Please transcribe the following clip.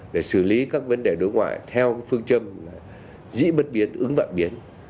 để xử lý các vấn đề đối ngoại theo phương châm dĩ bất biến ứng vạn biến